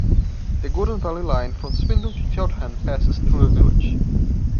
The Golden Valley Line from Swindon to Cheltenham passes through the village.